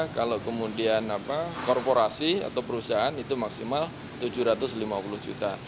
kalau kemudian korporasi atau perusahaan itu maksimal tujuh ratus lima puluh juta